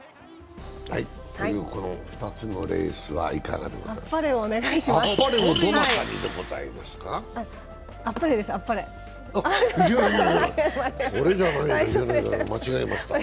この２つのレースはいかがでこざいますか？